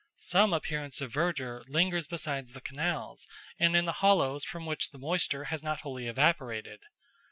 Some appearance of verdure lingers beside the canals and in the hollows from which the moisture has not wholly evaporated.